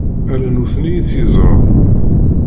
Ala nutni i t-yeẓran.